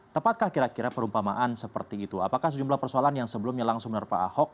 tepatkah kira kira perumpamaan seperti itu apakah sejumlah persoalan yang sebelumnya langsung menerpa ahok